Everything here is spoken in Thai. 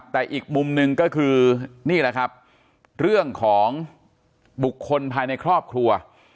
แต่อีกมุมหนึ่งก็คือนี่แหละครับเรื่องของบุคคลภายในครอบครัว